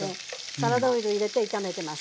サラダオイル入れて炒めてます。